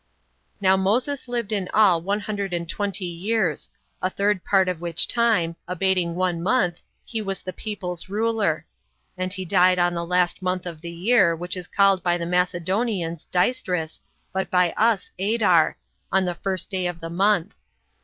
49. Now Moses lived in all one hundred and twenty years; a third part of which time, abating one month, he was the people's ruler; and he died on the last month of the year, which is called by the Macedonians Dystrus, but by us Adar, on the first day of the month.